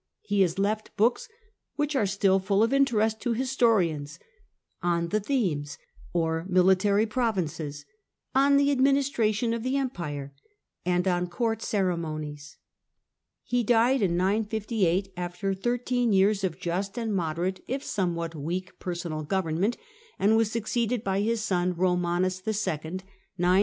He has left books which are still full of interest to historians, " On the Themes/' or military provinces, " On the Administration of the Empire," and on Court Ceremonies. He died in THE EASTERN EMPIRE AND THE SELJUK TURKS 63 958, after thirteen years of just and moderate, if some what weak, personal government, and was succeeded by his son, Eomanus II.